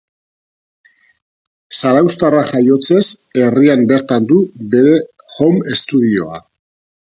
Zarauztarra jaiotzez, herrian bertan du bere home studioa.